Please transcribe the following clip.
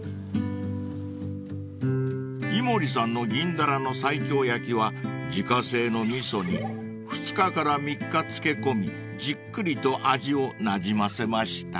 ［井森さんの銀ダラの西京焼きは自家製の味噌に２日から３日漬け込みじっくりと味をなじませました］